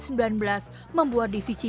membuat divisi jauh lebih terkenal